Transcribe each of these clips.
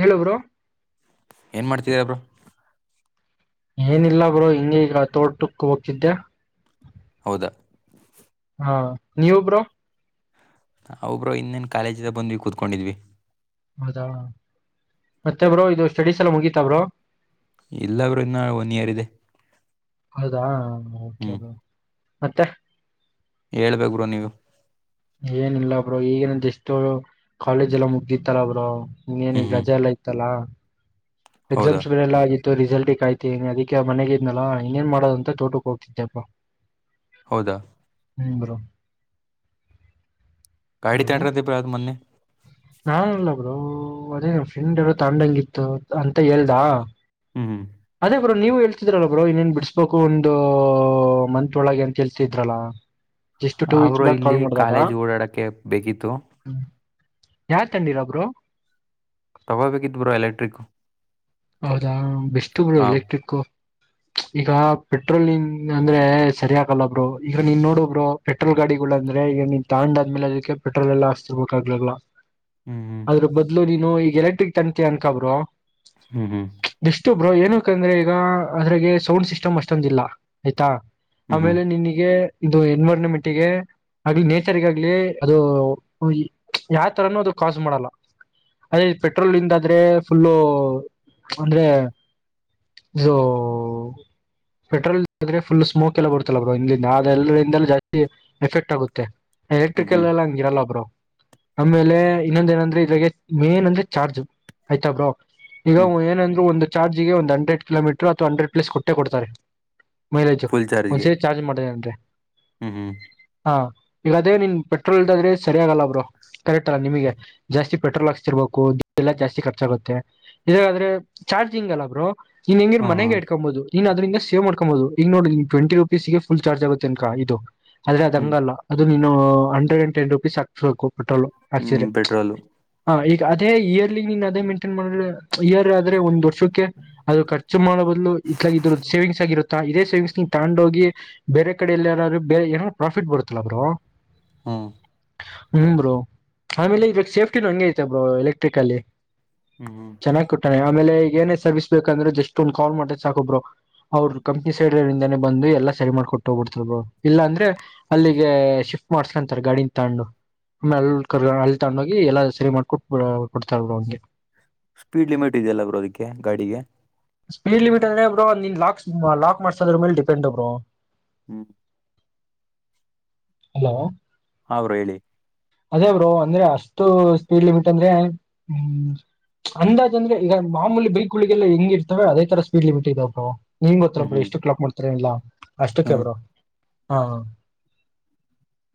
ಹೇಳಬ್ರು ಏನ್ ಮಾಡ್ತರಬ್ರು ಏನಿಲ್ಲ ಬ್ರೋ ಹಿಂಗ ಈಗ ತೋಟಕ್ಕೆ ಹೋಗ ಚಿದ್ದ ಹೌದಾ ಹಾ ನೀವೊಬ್ಬರು ಒಬ್ರ ಇನ್ನೇನ್ ಕಾಲೇಜಿದ ಬಂದ್ವಿ ಕೂತ್ಕೊಂಡಿದ್ವಿ ಹೌದಾ ಮತ್ತೆ ಬ್ರೋ ಇದು ಸ್ಟಡೀಸ್ ಎಲ್ಲ ಮುಗೀಿತ ಬ್ರೋ ಇಲ್ಲ ಅವರು ಇನ್ನ ಒನ್ ಇಯರ್ ಇದೆ ಹೌದಾ ಮತ್ತೆ ಹೇಳ್ಬೇಕ್ರ ನೀವು ಏನಿಲ್ಲ ಬ್ರ ಈಗನ ಎಷ್ಟೋ ಕಾಲೇಜ್ ಎಲ್ಲ ಮುಗ್ದಿತ್ತಾರಬ್ರ ಇನ್ನೇನ ಹ್ಮ್ ಈಗ ಹ್ಮ್ ಗಜ ಎಲ್ಲ ಯತ್ತಲ್ಲಾ ಹೌದಾ ಎಕ್ಸಾಮ್ಸ್ ಎಲ್ಲ ಆಗ ಇ ರಿಸಲ್ಟ್ಕ್ಾಯ್ತಿ ಅದಕ್ಕೆ ಮನೆಗಿ ಇದ್ನಲ್ಲ ಇನ್ನೇನ್ ಮಾಡೋದ ಅಂತ ತೋಟಕ್ಕೆ ಹೋಗ್ತಿದ್ದೆಪ್ಪಾ ಹೌದಾ ಹ ಬ್ರೋ ಗಾಡಿ ಹಲೋ ತಗೊಂಡ್ರಂತೆ ಬ್ರೋ ಅದು ಮೊನ್ನೆ ನಾಲ್ಲರು ಅದೇ ಫ್ರೆಂಡ್ ಎರಡು ತಂಡಂಗಿತ್ತು ಅಂತ ಹೇಳೇಳ್್ದಾ ಹ್ಮ ಹ್ಮ್ ಬರೋ ನೀವ ಹೇಳ್ತಿದ್ರಲ್ಲ ಬರೋ ಇನ್ನೇನ್ ಬಿಡಿಸಸ್ಬೇಕು ಒಂದು ಮಂತ್ ಒಳಗೆ ಅಂತ ಹೇಳ್ತಿದ್ರಲ್ಲ ಜಸ್ ಟ ಆ ವಸ್ ಬ್ರೋ ಬ ಕಾ ಇಲ್ಲಿ ಮಾಡಾರ ಕಾಲೇಜ್ ಓಡಾಡಕ್ಕೆ ಬೇಕಿತ್ತು ಯ ತಂಡಿರ ಬ್ರೋ ತಗೋಬೇಕಿದ್ ಬರಾ ಎಲೆಕ್ಟ್ರಿಕ್ು ಹೌದಾ ಬೆಷ್ಟು ಬಿರು ಎಲೆಕ್ಟ್ರಿಕ್ು ಈಗ ಪೆಟ್ರೋಲ್ನ್ ಅಂದ್ರೆ ಸರಿ ಆಗಲ್ಲ ಬ್ರೋ ಈಗ ನೀನ್ ನೋಡು ಬ್ರೊ ಪೆಟ್ರೋಲ್ ಗಾಡಿಗಳ ಅಂದ್ರೆ ಈಗ ನೀನ್ ತಾಂಡಾದ್ಮೇಲೆ ಅದಕ್ಕೆ ಪೆಟ್ರೋಲ್ ಎಲ್ಲಾ ಅಸ್ತಿರ್ಬೇಕಾಗ್ಲಲ್ಲ ಹ್ಮ್ ಹ್ಮ್ ಆದ್ರ ಬದಲು ನೀ ಇ ಈಗ ಎಲೆಕ್ಟ್ರಿಕ್ ತಂತಿ ಅನ್ಕಬರು ಹ್ಮ್ ಹ್ಮ್ ಬ್ರೋ ಏನಕ್ಕಂದ್ರೆ ಈಗ ಅದ್ರಗೆ ಸೌಂಡ್ ಸಿಸ್ಟಮ್ ಅಷ್ಟೊಂದ ಇಲ್ಲ ಆಯ್ತಾ ಹ್ಮ್ ಆಮೇಲೆ ನಿನಗೆ ಇದು ಎನ್ವಿರಾನ್ಮೆಂಟ್ ಗೆ ಆಗ್ಲಿ ನೇಚರ್ಗ ಆಗ್ಲಿ ಅದು ಯಾವ ತರಾನ ಅದು ಕಾಸು ಮಾಡಲ್ಲ ಅದೇ ಪೆಟ್ರೋಲಿಂದಾದ್ರೆ ಫುಲ್ಲು ಅಂದ್ರೆ ಇದೂ ಪೆಟ್ರೋಲ್ ಇದ್ರೆ ಫುಲ್ ಸ್ಮೋಕ್ ಎಲ್ಲ ಬರುತಲ್ಲ ಬ್ರೋ ಇಲ್ಲಿಂದ ಅದೆಲ್ಲರಿಂದಲ ಜಾಸ್ತಿ ಎಫೆಕ್ಟ್ ಆಗುತ್ತೆ ಹ್ಮ್ ಎಲೆಕ್ಟ್ರಿಕಲ್ ಹ್ಮ್ ಎಲ್ಲ ಹಂಗಿರಲ್ಲ ಬ್ರೋ ಆಮೇಲೆ ಇನ್ನೊಂದ ಏನಂದ್ರೆ ಇದ್ರಾಗೇ ಮೇನ್ ಅಂದ್ರೆ ಚಾರ್ಜ್ ಆಯ್ತಾ ಬ್ರೋ ಈಗ ಹ್ಮ್ ಏನಂದ್ರು ಒಂದು ಚಾರ್ಜಿಗೆ ಒಂದು ಹಂಡ್ರೆಡ್ ಕಿಲೋಮೀಟರ್ ಅಥವಾ ಹಂಡ್ರೆಡ್ ಪ್ಲೇಸ್ ಕೊ ಟ್ಟೆ ಕೊಡ್ತಾರೆ ಮೈಲೇಜು ಫುಲ್ ಚಾರ್ಜ್ಗೆ ಒಂದ್ಸರಿ ಚಾರ್ಜ್ ಮಾಡದ್ರೀ ಅಂದ್ರೆ ಹ್ಮ್ ಹ್ಮ್ ಹಾ ಈಗ ಅದೇ ನಿನ್ ಪೆಟ್ರೋಲ್ದಾದ್ರೆ ಸರಿ ಆಗಲ್ಲ ಬ್ರೋ ಕರೆಕ್ಟ್ ಅಲ್ಲ ನಿಮಗೆ ಜಾಸ್ತಿ ಪೆಟ್ರೋಲ್ ಹಾಕ್ಸತಿರ್ಬೇಕು ಎಲ್ಲ ಜಾಸ್ತಿ ಖರ್ಚಾಗುತ್ತೆ ಇದಾದ್ರೆ ಚಾರ್ಜಿಂಗ್ ಅಲ್ಲ ಬ್ರೋ ನೀನ್ ಹೆಂಗಿ ಹಾಂ ಮನೆಗೆ ಹಾಂ ಇಡ್ಕೊಂಬಹುದು ನೀನ್ ಅದ್ರಿಂದ ಸೇವ್ ಮಾಡಕೊಂಬಹುದು ಈಗ ನೋಡ್ರ ಟ್ವೆಂಟಿ ರುಪೀಸ್ಗೇ ಫುಲ್ ಚಾರ್ಜ ಆಗುತ್ತೆ ಅನ್ಕ ಇದು ಆದ್ರೇ ಅದ ಹ್ಮ್ ಹಂಗಲ್ಲ ಅದು ನೀ ಹಂಡ್ರೆಡ್ ಆಂಡ್ ಟೆನ್ ರುಪೀಸ್ ಹಾಕ್ಸ್ಬೇಕು ಟ್ಟಲ್ಲು ಹ್ಮ್ ಹಾಕ್ಸಿದ್ರೆ ಪೆಟ್ರೋಲು ಆ ಈ ಅದೇ ಇಯರ್ಲಿ ನೀನ್ ಅದೇ ಮೇಂಟೈನ್ ಮಾಡ್ ಇಯರ್ ಆದ್ರೆ ಒಂದು ವರ್ಷ ಅದು ಖರ್ಚು ಮಾಡೋಬದ್ಲು ಇಲ ಇದ್ರ ಸೇವಿಂಗ್ಸ್ ಆಗಿರುತ್ತಾ ಇದೇ ಸೇವಿಂಗ್ಸ್ ನ ತಗೊಂಡು ಹೋಗಿ ಬೇರೆ ಕಡೆಯಲ್ಲಿ ಯಾವ್ದಾದ್ರು ಬೇರೆ ಏನಾದ್ರು ಪ್ರಾಫಿಟ್ ಬರುತ್ತಲ್ಲ ಬ್ರೋ ಹ್ಮ್ ಹ್ಮ ಬ್ರೋ ಆಮೇಲೆ ಸೇಫ್ಟಿನೂ ಹಂಗೆ ಐತೆ ಬ್ರೋ ಎಲೆಕ್ಟ್ರಿಕಲ್ಲಿ ಹ್ಮ್ ಹ್ಮ್ ಚೆನ್ನಾಗಿ ಕೊಟ್ಟರೇ ಆಮೇಲೆ ಈಗ ಏನೇ ಸರ್ವಿಸ್ ಬೇಕಂದ್ರೆ ಜಸ್ಟ್ ಒಂದ್ ಕಾಲ್ ಮಾಡತ ಸಾಕೂ ಬ್ರೋ ಅವರು ಕಂಪ್ನಿ ಸೈಡ್ಂದಾನೇ ಬಂದು ಎಲ್ಲಾ ಸರಿ ಮಾಡ್ಕೊಟ್ಟು ಹೋಗ್ಬಿಡ್ತಾರೆ ಬ್ರೋ ಇಲ್ಲಾಂದ್ರೆ ಅಲ್ಲಿಗೆ ಶಿಫ್ಟ್ ಮಾಡ್ಸ್ಲಂತಾರೆ ಗಾಡಿನ ತಗಂಡು ಆಮೇಲೆ ಅಲ್ಲಿ ಕ ಅಲ್ಲಿ ತೊಂಡು ಹೋಗಿ ಎಲ್ಲಾ ಸರಿ ಮಾಡ್ಕೊ ಕೊಡ್ತಾರ ಬ್ರೋ ಹಂಗೆ ಸ್ಪೀಡ್ ಲಿಮಿಟ್ ಇದೆಯಲ್ಲ ಬ್ರೋ ಅದಿಕ್ಕೆ ಗಾಡಿಗೆ ಸ್ಪೀಡ್ ಲಿಮಿಟ್ ಅಂದ್ರೆ ಬ್ರೋ ನೀನ್ ಲಾಕ್ ಲಾಕ್ ಮಾಡಸೋದ್ರ ಮೇಲೆ ಡಿಪೆಂಡ್ ಬ್ರೋ ಹ್ಮ್ ಹಲೋ ಹಾ ಬ್ರೋ ಹೇಳಿ ಅದೇ ಬ್ರೋ ಅಂದ್ರೆ ಅಷ್ಟು ಸ್ಪೀಡ್ ಲಿಮಿಟ್ ಅಂದ್ರೆ ಹ್ಮ್ ಅಂದಾಜ ಅಂದ್ರೆ ಈಗ ಮಾಮೂಲಿ ಬೈಕ್ಗುಳಿಗೆಲ್ಲ ಹೆಂಗಿರ್ ಅದೇ ತರ ಸ್ಪಡ್ ಲಿಮಿಟ್ ಇದೆ ಬ್ರೋ ನೀಂಗ್ ಗೊತ್ತಾ ಹ್ಮ್ ಬ್ರೋ ಹ್ಮ್ ಎಷ್ಟುಕ್ ಲಾಕ್ ಮಾಡ್ತಾರ ಇಲ್ಲ ಅಷ್ಟಕ್ಕೆ ಹ್ಮ್ ಬ್ರೋ ಹಾ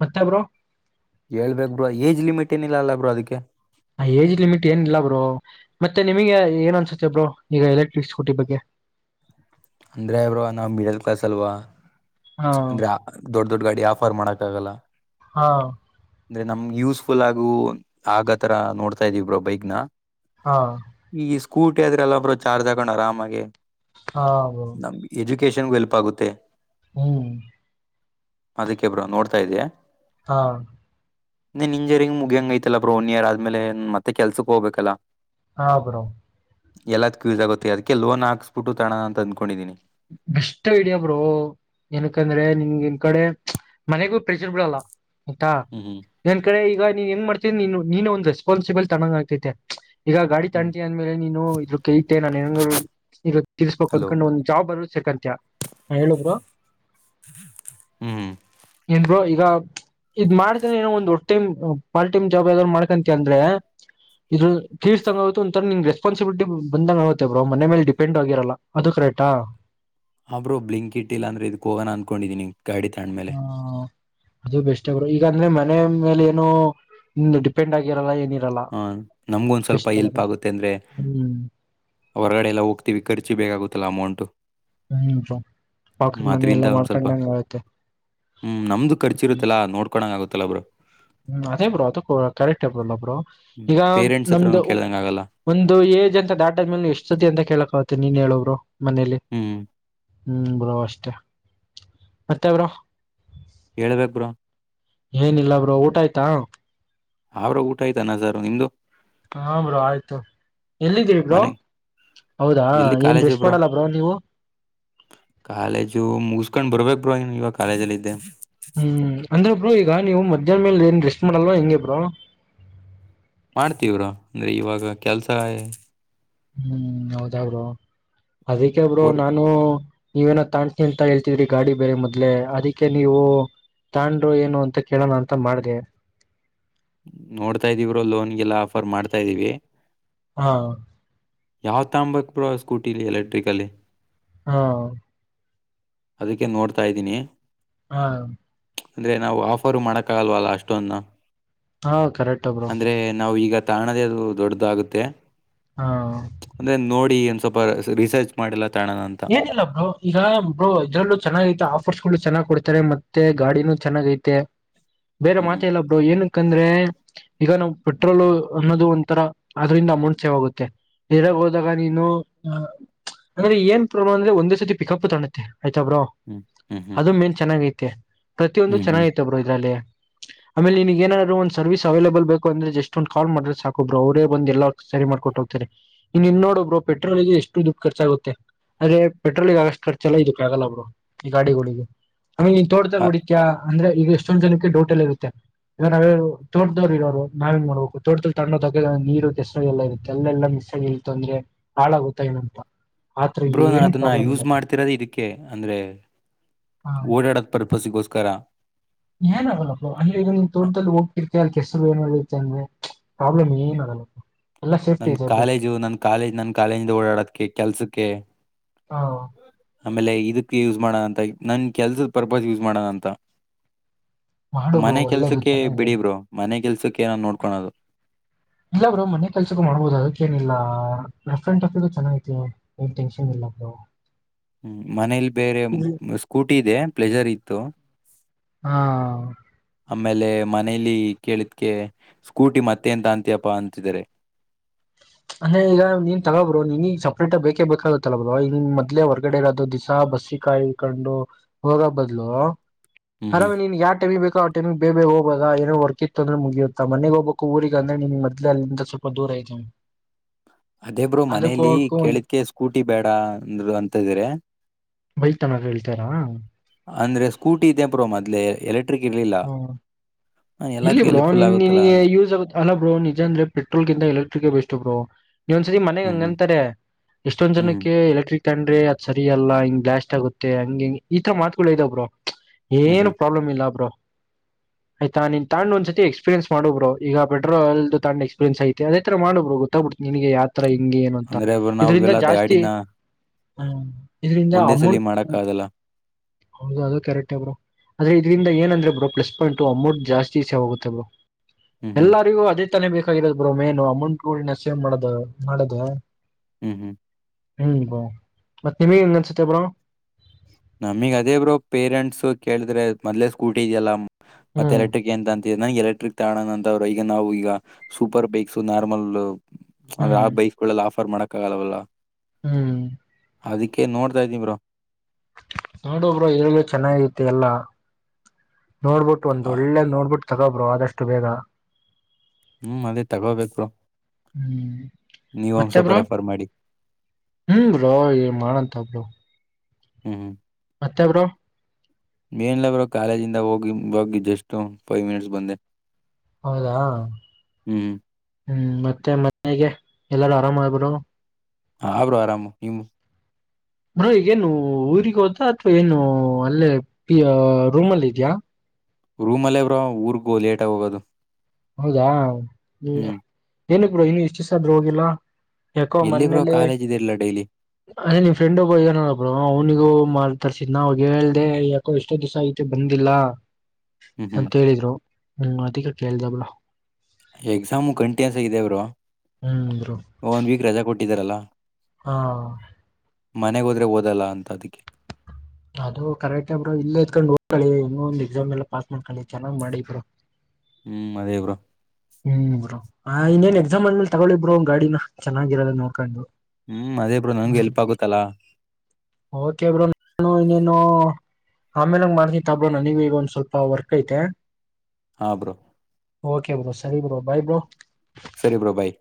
ಮತ್ತೆ ಬ್ರೋ ಹೇಳ್ಬೇಕ್ ಬ್ರೋ ಏಜ್ ಲಿಮಿಟ್ ಏನಿಲ್ಲ ಅಲ್ಲ ಬ್ರೋ ಅದಕ್ಕೆ ಏಜ್ ಲಿಮಿಟ್ ಏನ ಇಲ್ಲಾ ಬ್ರೋ ಮತ್ತೆ ನಿಮಗೆ ಏನ್ ಅನ್ಸುತ್ತೆ ಬ್ರೋ ಈಗ ಎಲೆಕ್ಟ್ರಿಕ್ ಸ್ಕೂಟಿ ಬಗ್ಗೆ ಅಂದ್ರೆ ಬ್ರೋ ನಾವ್ ಮಿಡಲ್ ಕ್ಲಾಸ್ ಅಲ್ವಾ ಹಾ ಅಂದ್ರೆ ದೊಡ್ ದೊಡ್ ಗಾಡಿ ಆಫರ್ ಮಾಡಕ್ ಆಗಲ್ಲ ಹಾ ಅಂದ್ರೆ ನಮ್ ಯೂಸ್ಫುಲ್ ಆಗು ಆಗ ತರ ನೋಡ್ತಾ ಇದಿವ ಬ್ರೋ ಬೈಕ್ ನ. ಹಾ ಈ ಸ್ಕೂಟಿ ಆದ್ರೆಲ್ಲ ಬ್ರೋ ಚಾರ್ಜ್ ಹಾಕೊಂಡು ಆರಾಮಾಗೆ. ಹಾ ಕೇಶನ್ ಗೆಲ್ಪ ಆಗುತ್ತೆ. ಹ್ಮ್ ಅದಕ್ಕೆೆ ಬ್ರೋ ನೋಡ್ತಾ ಇದ್ದೆ. ಹಾ ನೀನ್ ಇಂಜರಿಂಗ ಮುಗಿಯಂಗ ಐತಲ್ಲ ಬ್ರೋ ಒನ್ ಇಯರ್ ಆದ್ಮೇಲೆ ಮತ್ತೆ ಕೆಲ್ಸಕ್ ಹೋಗಬೇಕಲ್ಲಾ. ಹಾ ಬ್ರೋ ಎಲ್ಲದ ಕು ಯೂಸ್ ಆಗುತ್ತೆ ಅದಕ್ಕೆ ಲೋನ್ ಹಾಕ್ಸ್ಬಿಟ್ಟು ತಗಣನ ಅಂತ ಅಂದ್ಕೊಂಡಿದ್ದೀನಿ. ಬೆಸ್ಟ್ ಐಡಿಯಾ ಬ್ರೋ ಏನಕಂದ್ರೆ ನಿನ್ಗೆ ಈ ಕಡೆ ಮನೆಗು ಪ್ರೆಜರ್ ಬೀಳಲ್ಲ. ಐತ ಹ್ಮ್ ಹ್ಮ್ ನನ್ ಕಡೆ ಈಗ ನೀನ್ ಹೆಂಗ ಮಾಡತ ನೀ ನೀನೇ ಒಂದು ರೆಸ್ಪಾನ್ಬಿಲಿ ತಣಂಗ್ ಆಗ್ತೈತೆ. ಈಗ ಗಾಡಿ ಹ್ಮ್ ತಾಣ್ತೀಯಾ ಅಂದ್ಮೇಲೆ ನೀನು ಇದ್ರ ಕೈತೆೆ ನಾನನ ತಿರ್ಸ್ಬೇಕು ಹಲೋ ಅಂದ್ಕೊಂಡು ಒಂದ ಬರು ಸೆಕಂತಿಯಾ ಹ್ಮ್ ಏನ್ ಬ್ರೋ ಈಗ ಇದ್ ಮಾಡ್ತ ಏನೋ ಒಂದು ಒ ಟೈಮ್ ಪಾರ್ಟ ಟೈಮ್ ಜಾಬ್ ಯಾವಾದ್ ಮಾಡಕಂತ ಅಂದ್ರೆ, ಇದ್ರ ಫೀಸ್ ತಂಗುತ್ತೆ ಒರ ನಿನ್ ರೆಸ್ಪಾನ್ಸಿಬಿಲಿಟಿ ಬಂದಂಗ ಆಗುತ್ತೆ ಬ್ರೋ ಮನೆ ಮೇ ಡಿಪೆಂಡ್ ಆಗಿರಲ್ಲ ಅದು ಕರೆಕ್ಟ್. ಆಯ್ತ ಅಬ್ರೋ ಬ್ಲಿಂಕ್ ಇಟ್ ಇಲ್ ಅಂದ್ರೆ ಇದು ಕೋವನ ಅಂದ್ಕೊಂಡಿದ್ದೀನಿ. ಗಾಡಿ ತಂಡ್ಮೇಲೆ ಹ್ಮ ಅದು ಬೆಸ್ಟು ಬ್ರೋ, ಈಗಂದ್ರೆ ಮನೆ ಮೇಲೆ ಏನೋ ಡಿಪೆಂಡ್ ಆಗಿರಲ್ಲ ಏನಿರಲ್ಲ. ಹಾ ನಮ್ಗು ಒಂದ್ ಸ್ವಲ್ಪ ಬೆಸ್ಟ್ ಅಲ್ಲ ಹೆಲ್ಪ್ ಬ್ರೋ ಆಗುತ್ತೆ ಅಂದ್ರೆ, ಹ್ಮ್ ಹೊರಗಡೆ ಎಲ್ಲ ಹೋಗ್ತೀವಿ ಖರ್ಚಿ ಬೇಕಾಗುತ್ತಲ್ಲಾ ಅಮೌಂಟು. ಹ್ಮ್ ಬ್ರೋ ಹ್ಮ್ ಪಾಕೆಟ್ ಮನಿ ಎಲ್ಲ ಅದ್ರಿಂದ ಒಂದ್ ಸ್ವಲ್ಪ ಮಾಡ್ಕೊಂಡಂಗ ಆಗುತ್ತೆ ಹ್ಮ್ ನಮ್ದು ಖರ್ಚುರುತ್ತಲ್ಲಾ ನೋಡ್ಕೊಳಂಗ ಆಗುತ್ತೆ. ತಲ ಬ್ರೊ ಹ್ಮ್ ಅದೇ ಬ್ರೋ ಅದು ಕರೆಕ್ಟ್ ಬ್ರೊ ಅಲ್ಲ ಬ್ರೋ. ಹ್ಮ್ ಈಗ ಪೇರೆಂಟ್ಸ್ ನಮ್ದು ಹತ್ರನು ಕೇಳ್ದಂಗ್ ಆಗಲ್ಲ ಒಂದು ಏಜ್ ಅಂತ ದಾಟದ್ಮೇಲೆ ಎಷ್ಟಸತಿ ಅಂತ ಕೇಳಕ್ ಮ ನೀನ್ ಹೇಳು ಬ್ರೋ. ಮನೇಲಿ ಹ್ಮ್ ಹ್ಮ್ ಬ್ರೋ ಅಷ್ಟೇ ಮತ್ತೆ ಬ್ರೋ? ಹೇಳ್ಬೇಕ ಬ್ರೊ. ಏನಿಲ್ಲ ಬ್ರೋ ಊಟ ಆಯ್ತಾ? ಅ ಬ್ರೋ ಊಟ ಆಯ್ತು ಅನ್ನಸಾರು ನಿಂದು? ಹಾ ಬ್ರೋ ಆಯ್ತು ಎಲ್ಲಿದ್ದೀರಿ ಬ್ರೋ ಮನೆ ಹೌದಾ ಎಲ್ಲಿ ಏನ್ ಕಾಲೇಜು ರೆಸ್ಟ್ ಮಾಡಲ್ಲ ಬ್ರೋ ನೀವು. ಇಬ್ನು ಇವಾಗ ಕಾಲೇಜ ಅಲ್ಲಿದ್ದೆ ಹ್ಮ್ ಅಂದ್ರೆ ಬ್ರೋ ಈಗ ನೀವು ಮಧ್ಯಾಹ್ನ ಮೇಲೆ ಏನ್ ರೆಸ್ಟ್ ಮಾಡಲ್ವ ಹೆಂಗೆ ಬ್ರೋ ಮಾಡ್ತೀವ್ರಾ ಅಂದ್ರೆ ಇವಾಗ ಕೆಲ್ಸ ಹ್ಮ್ ಹೌದಾ ಬ್ರೋ ಅದಕ್ಕೆ ಬ್ರೋ ವರ್ ನಾನು ನೀವೇನೋ ತಾಣ್ತನಿ ಅಂತ ಹೇಳ್ತಿದ್ರಿ ಗಾಡಿ ಬೇರೆ ಮೊದ್ಲೆ ಅದಿಕ್ಕೆ ನೀವು ತಾಣ್ರರು ಏನು ಅಂತ ಕೇಳೋಣ ಅಂತ ಮಾಡ್ದೆ ನೋಡ್ತಾ ಇದೀವಿ ಬ್ರೋ ಲೋನ್ಗೆಲ್ಲ ಆಫರ್ ಮಾಡ್ತಾ ಇದ್ದೀವಿ ಹಾ ಯಾವ ತಾಂಬಬೇಕು ಬ್ರೋ ಸ್ಕೂಟಿಲಿ ಎಲೆಕ್ಟ್ರಿಕ ಅಲ್ಲಿ ಹಾ ಅದಕ್ಕೆ ನೋಡ್ತಾ ಇದೀನಿ ಹಾ ಅಂದ್ರೆ ನಾವು ಆಫರ್ ಮಾಡಕ್ಕಾಗಲ್ವಲ್ಲ ಅಷ್ಟೊಂದ್ ನ ಹಾ ಕರೆಕ್ಟ್ ಬ್ರೋ ತಾಣದೇ ಅದು ದೊಡ್ಡದಾಗುತ್ತೆ ಹಾ ಅಂದ್ರೆ ನೋಡಿ ಎ ಸ್ವಲ್ಪ ರಿಸರ್ಚ್ ಮಾಡಿಲ್ಲ ತಾಣನ ಅಂತ ಏನಿಲ್ಲ ಬ್ರೋ ಈಗ ಬ್ರೋ ಇದ್ರಲ್ಲೂ ಚೆನ್ನಾಗೈತೆ ಆಫರ್ಸ್ ಗಳು ಚೆನ್ನಾಗ್ ಕೊಡ್ತಾರೆ ಮತ್ತೆ ಗಾಡಿನೂ ಚೆನ್ನಾಗ ಐತೆ ಬೇರೆ ಹ್ಮ್ ಮಾತ ಇಲ್ಲ ಬ್ರೋ ಏನು ಯಾಕಂದ್ರೆ ಈಗ ನಾವು ಪೆಟ್ರೋಲ್ ಅನ್ನೋದು ಒಂಥರ ಅದ್ರಂದ ಅಮೌಂಟ್ ಸೇವ್ ಆಗುತ್ತೆ ಎಾಗ ಹೋದಾಗ ನೀನು ಅಂದ್ರೆ ಏನ್ ಮತ್ತೇನೊಂದ್ರೆ ಒಂದೇ ಸತಿ ಪಿಕಪ್ ತಾಣುತ್ತೆ ಆಯ್ತ ಬ್ರೋ ಹ್ಮ್ ಹ್ಮ್ ಹ್ಮ್ ಅದು ಮೇನ್ ಚೆನ್ನಾಗ ಐತೆ ಪ್ರತಿಯೊಂದು ಹ್ಮ್ ಹ್ಮ್ ಹ್ಮ್ ಚೆನ್ನಾಗೈತೆ ಬ್ರೋ ಇದ್ರಲ್ಲಿ ಆಮೇಲೆ ನಿನ್ಗ್ ಏನಾದ್ರು ಒಂದ ಸರ್ವಿಸ್ ಅವೈಲೇಬಲ್ ಬೇಕು ಅಂದ್ರೆ ಜಸ್ಟ್ ಒಂದ ಕಾಲ್ ಮಾಡಿದ್ರೆ ಸಾಕು ಬ್ರೋ ಅವರೇ ಬಂದ ಎಲ್ಲ ಸರಿ ಮಾಡ್ಕೊು ಹೋಗ್ತಾರೆ ಇನ್ ಇನ್ ನೋಡಿ ಬ್ರೋ ಪಟ್ರೋಲ್ದೆ ಎಷ್ಟೊಂದು ಖರ್ಚಾಗುತ್ತೆ ಆದ್ರೆ ಪೆಟ್ರೋಲ್ಗೆ ಆಗಷ್ಟು ಕರ್ಚ ಎಲ್ಲ ಇದಕ್ಕೆ ಆಗಲ್ಲ ಬ್ರೋ ಈ ಗಾಡಿಗಳಿಗೆ ಅವಮೇ ನೀನ್ ತೋಡ್ತಾ ಕುಡಿತತ್ಯಾ ಅಂದ್ರೆ ಈಗ ಎಷ್ಟೊಂದ್ ಜಕ್ಕೆ ಡೋಟೆಲ್ಲಿ ಇರುತ್ತೆ ಈವಾಗ ನಾವೇ ತೋಟದವರು ಇರೋರು ನಾವೇನ್ ಮಾಡ್ಬೇಕು ತೋಟದ ತ್ಣೋದಾಗ ನೀರು ಕೆಸರು ಎಲ್ಲ ಇರುತ್ತೆ ಅಲ್ಲೆಲ್ಲಾ ಮಿಸ್ಸಾಗಿ ಇಲ್ ಅಂದ್ರೆ ಹಾಳಾಗುತ್ತಾ ಇಲ್ಲಂತ ಬ್ರೋ ನು ಅದನ್ನ ಯೂಸ್ ಮಾಡ್ತಿರೋದು ಇದಕ್ಕೆ ಅಂದ್ರೆ ಓಡಾಡೋದ ಪರ್ಪಸ್ಗೋಸ್ಕರ ಏನ್ಗಲ್ಲಪ್ಪ ಅಲ್ಲಿ ಈಗ ತೋಟ್ದದಲ್ಲಿ ಹೋಗ್ತಿರ್ತಿರ ಕೆಸರು ಏನುತ್ತ ಅಂದ್ರೆ ಪ್ರಾಬ್ಲಮ್ ಏನರಲ್ಲ ನನ್ ಕಾಲೇಜು ನನ್ ಕಾಲೇಜ್ ನನ್ ಕಾಲೇಜಿಂದ ಓಡಾಡೋದಕ್ಕೆ ಕೆಲ್ಸಕ್ಕೆ ಆಮೇಲೆ ಇದಕ್ಕೆ ಯೂಸ್ ಮಾಡ ಅಂತ ನನ್ ಕೆಲ್ಸದ ಪರ್ಪಸ್ ಯೂಸ್ ಮಾಡೋಣ ಅಂತ ಮಾಡು ಬ್ರೋ ಮನೆ ಒಳ್ಳೇದು ಕೆಲ್ಸಕ್ಕೆ ಚೆನ್ನಾಗಿದೆ ಬಿಡಿ ಬ್ರೋ ಮನೆ ಕೆಲ್ಸಕ್ಕೆ ನ ನೋಡ್ ಕೊಳ್ಳೋದು ಇಲ್ಲ ಬ್ರೋ ಮನೆ ಕೆಲ್ಸಕ್ಕೆ ಮಾಡ್ಬಹುದು ಅದಕ್ಕ ಏನಿಲ್ಲ ಟ್ ಆಫ ಚೆನ್ನಾಗೈ ಏನ್ ಟೆನ್ನ್ ಇಲ್ಲ ಬೋ ಹ್ಮ್ ಮನೇಲಿ ಬೇರೆ ಸ್ಕೂಟಿ ಇದೆ ಪ್ಲಜರ್ ಇತ್ತು ಹಾ ಆಮೇಲೆ ಮನೇಲಿ ಕೇಳಿದ್ಕ ಸ್ಕೂಟಿ ಮತ್ತೆ ಎಂತ ಅಂತಿಯಪ್ಪಾ ಅಂತಿದ್ದಾರೆ ಅಂದೆ ಈಗ ನೀನ್ ತಗೋಬ್ರೋ ನೀನ್ಗ ಸಪ್ರೇಟ್ ಬೇಕೇ ಬೇಕಾಗತ್ತಲ ಬ ಮದೇ ಹೊರ್ಗಡೆ ಇರೋದು ದಿಸಾ ಬಸ್ಸಿ ಕಾಯ ಕಂಡು ಹೋಗ ಬದ್ಲು ಹ್ಮ್ ಹ್ಮ್ ಹರಾಮ ನೀನ್ ಯಾವ ಟಬಿ ಬೇಕ ಟಮ ಬೇ ಬೇ ಹೋಗಾಗ ಏೋ ವರ್ಕ್ಿತ್ತು ಅಂದ್ರೆ ಮುಗಿಯುತ್ತ ಮನೆಗ್ ಹೋಗ್ಬೇಕ ಊರಿಗೆ ಅಂದ್ರೆ ನಿಮ ಮದ್ಲೆ ಅಲ್ಲಿಂದ ಸ್ವಲ್ಪ ದೂರ ಐತನಿ ಅದೇಬ್ರು ಮನೇಲಿ ಒಂದ್ ಕೇಳಿದಕ ಸ್ಕೂಟಿ ಬೇಡ ಅಂದರು ಅಂತದಿೆ ಬೈ ತನಕ ಹೇಳ್ತಾರ ಅಂದ್ರೆ ಸ್ಕೂಟಿ ಇದೆ ಬ ಪ್ರೋ ಮದ್ಲೆ ಎಲೆಕ್್ರ ಹಾ ಇಲ್ಲಿ ಎಲ್ಲದಕ್ಕೆ ಬ್ರೋ ಎಲ್ಲಿ ಫುಲ್ ನೀನ್ ಆಗುತ್ತಲ್ಲಾ ನಿಿನಗೆ ಅಂತ ಯೂಸ್ ಆಗ ಅಲ್ಲ ಬ್ರೋ ನಿಜ ಅಂದ್ರೆ ಪೆಟ್ರೋಲ್ಗಿಂತ ಎಲೆಕ್ಟ್ರಿಕ್ ಬೆಸ್ಟ್ು ಬೋ ನೀವೊಂದ್ಸತಿ ಮನೆಗ್ ಹ್ಮ್ ಹ್ಮ್ ಹಂಗಂತಾರೆ ಎಷ್ಟೊಂದ್ ಹ್ಮ್ ಹ್ಮ್ ಜನಕ್ಕೆ ಎಲೆಕ್ಟ್ರಿಕ್ ತ್ರ ಅದ್ ಸರಿ ಅಲ್ಲ ಹಂಗ್ ಬ್ಲಾಟ್ ಆಗೆ ಹಂಗ ಹಿಂಗ ಈ ತರ ಮಾತುಗಳು ಇದ ಬ್ರೋ ಹ್ಮ್ ಏನು ಹ್ಮ್ ಪ್ರಾಬ್ಲಮ್ ಇಲ್ಲ ಒಬ್ರು ಆಯ್ತಾನ್ ತಂಡ್ ಒಂದ್ಸತಿ ಎಕ್ಸ್ಪರಿಯನ್ಸ್ ಮಾಡೋಬ್ರರು ಈಗ ಪೆಟ್ರೋಲ್ದು ತ್ ಎಕ್ಸ್ಪೀರಿಯನ್ಸ್ ಐತಿ ಅದೇ ತರ ಮಾಡಬ್ರರು ಗೊತ್ತಬಡ್ ನಿನ್ಗೆ ಹತ್ರ ಹಿಂಗಗೆ ಏನು ಅಂತ ಅಂದ್ರೆ ನಾವ್ ಇದರಿಂದ ಇವೆಲ್ಲ ಜಾಸ್ತಿ ಗಾಡಿನ ಹ್ಮ ಇದರಿಂದ ಒಂದೇ ಸಲಿ ಅಮೌಂಟ್ ಮಾಡಕ್ ಆಗಲ್ಲ ಹೌದು ಅದು ಕರೆಕ್ಟ್ ಬ್ರೋ ಅ್ರ ಇದ್ರಂದ ಏನಂದ್ರೆ ಬ್ರೋ ಪ್ಲಸ್ ಪಾಯಿಂಟ್ ು ಅಮೌಂಟ್ ಜಾಸ್ತಿ ಸೇವ ಆಾಗುತ್ತೆ ಬ್ರೋ ಹ್ಮ್ ಹ್ಮ್ ಎಲ್ಲರಿಗೂ ಅದೇ ತಾನೇ ಬೇಕಾಗಿರದ ಬ್ರೋ ಮೆನು ಅಮೌಂಟ್ಗಳ ಸೇವ್ ಮಾಡೋ ಮಾಡದ ಹ್ಮ್ ಹ್ಮ್ ಹ್ಮ್ಾ ಮತ್ತತ್ ನಿಮಗೆಂಗ ನನ್ಸುತ್ತೆ ಬ್ರಾ ನಮಗ್ ಅದೇ ಬ್ರೋ ಪೇರೆಂಟ್ಸ್ ಕೇಳಿದ್ರೆ ಮದ್ಲೇ ಸ್ಕೂಟಿ ಇದೆಯಲ್ಲ ಮತ್ತೆ ಹ್ಮ್ ಎಲೆಕ್ಟ್ರಿಕ್ ಂತ ಅಂತ ನನಗೆ ಎಲೆಕ್ಟ್ರಿಕ್ ತಾಣ ಅಂತರು ಈಗ ನಾವು ಈಗ ಸೂಪರ್ ಬೈಕ್ಸ್ು ನಾರ್ಮಲ್ ಅದ್ರ ಆ ಹ್ಮ್ ಬೈಸ್ಕೊಳ್ಳಲ್ಲ ಆ ರ್ ಮಣಕಾಗಾಲವಲ್ಲ ಹ್ಮ್ ಅದಕ್ಕೆ ನೋಡ್ತಾ ಇದ್ದೀ ಬ್ರ ನೋಡಬ್ರ ಎ್ರಗ ಚೆನ್ನಾಗಿತಿ ಎಲ್ಲಾ ನೋಡ್ಬಿಟ್ಟು ಒಂದ ಒೆ ನೋಡ್ಬಿಟ್ಟು ತಗೊಬ್ರು ಆದಷ್ಟು ಬೇಗ ಹ್ಮ್ ಅದೇ ತಗೋಬೇಕು ಬ್ರೋ ಹ್ಮ್ ನೀವ್ ಒಂದ್ ಮತ್ತೆ ಸ್ವಲ್ಪ ಬ್ರೋ ರೆಫರ್ ಮಾಡಿ ಹ್ಮ್ ಬ್ರೋ ಮಾಡಂತ ಬ್ರೋ ಹ್ಮ ಮತ್ತೆಬರೋ ಮೇನ್ಲಬ್ರು ಕಾಲೇಜ ಇಿಂದ ಹೋಗಿ ಬೋಗಿ ಜಸ್ಟ್ ಫೈವ್ ಮಿನಿಟ್ಸ್ ಬಂದೆ ಹೌದಾ ಹ್ಮ್ ಹ್ಮ್ ಮತ್ತೆ ಮನೆಗೆ ಎಲ್ಲಾರು ಆರಾಮ ಆದಬರು ಹ ಹಬ್ರು ಆರಾಮು ನಿಮ್ಮ ಬಡೋ ಈಗೇನು ಊರಿಗೆ ಹೋದಾ ಅಥವಾ ಏನು ಅಲ್ಲೇ ಪ ರೂಮ್ಲ್ಲಿ ಇದ್ಯಾ ರೂಮಲ್ಲೇ ಅವ್ರೋ ಊರ್ಗೋ ಲೇಟಗ ಹೋಗೋದು ಹೌದಾ ಹ್ಮಾ ಹ್ಮ್ ಏನ ಕಡ ಇನ್ನು ಎಷ್ಟುಾದ್ ಹೋಗಿಲ್ಲಾ ಯಾಕೋ ಎಲ್ಲಿ ಬ್ರೋ ಮನೇಲಿ ಕಾಲೇಜ್ ಇದೆಯಲ್ಲ ಡೈಲಿ ಅದೇ ನಿ ಫ್ರೆಂಡ್ ಒಬ್ಬ ಇದನೋಡಬ್ ಅವ್ನಿಗೂ ತರ್ಸಿದ್ ನಾಾಗ ಹೇಳ್ದ ಯಾಕೋ ಎಷ್ಟೋ ದಿವಸ ಐತೆ ಬಂದಿಲ್ಲ ಹ್ಮ್ ಹ್ಮ್ ಅಂತ ಹೇಳಿದ್ರು ಹ್ಮ ಅದಿಕಕ್ಕೆಲಖೇಳಳ್ದಾವಾ ಎಕ್ಸಾಮು ಕಂಟಿನ್ಯೂಸ್ ಆಗಿದೆವರು ಹ್ಮ್ ಬ್ರೋ ಒನ್ ವೀಕ್ ರಾ ಕೊಟ್ಟ ಇಟ್ಟಿದಾರಲ್ಲ ಹಾ ಮನೆಗ್ ಹೋದ್ರೆ ಓದಲ್ಲ ಅಂತ ಅದಕ್ಕೆ ಅದು ಕರೆಕ್ಟ್ ್ರ ಇಲ್ಲ ಎತ್ಕೊಂಡು ಹೋಗ್ಕಳಿ ಇನ್ನೊ ಒಂದ್ ಎಕ್ಸಾಮ್ ಎಲ್ಲಾ ಪಾಸ್ ಮಾಡ್ಕಿ ಚೆನ್ನ್ ಮಾಡಿಬರು ಹ್ಮ್ ಅದೇ ಬ್ರೋ ಹ ಇನ್ನೇನ್ ಎಕ್ಸಾಮ್ ಅಂದ್ಮಲೆ ತಗಳಿಬರು್ ಗಾಡಿನ ಚೆನ್ನಾಗಿರೋದ ನಡ್ಕೊಂಡು ಹ್ಮ್ ಅದೇ ಬ್ರೋ ನನ್ಗೆ ಎಲ್ಪ್ ಆಗುತ್ತಲ್ಲ ಇನ್ನು ಆಮೇಲಂಗ ಮಾಡ್ತ ತಾಬಡೋಣ ನೀಗ ಈಗ ಒಂದ್ ಸ್ವಲ್ಪ ವರ್ಕ್ ಐತೆ ಹಾ ಬ್ರೋ ಓಕೆ ಸರಿ ಬ್ರೋ ಭಾಯ ಬ್ರೋ ಸರಿ ಬೋ ಬಾಯ್